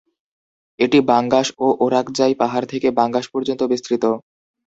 এটি বাঙ্গাশ ও ওরাকজাই পাহাড় থেকে বাঙ্গাশ পর্যন্ত বিস্তৃত।